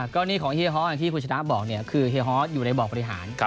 ก็นี่ของเฮฮอร์ทที่คุณชนะบอกคือเฮฮอร์ทอยู่ในบอร์ดบริหาร